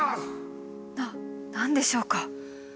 な何でしょうか？